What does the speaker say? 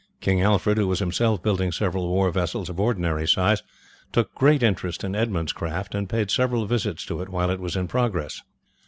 King Alfred, who was himself building several war vessels of ordinary size, took great interest in Edmund's craft and paid several visits to it while it was in progress.